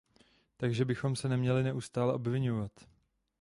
Takže bychom se neměli neustále obviňovat.